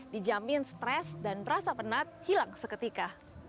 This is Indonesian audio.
dijamin stres dan berasa penat hilang seketika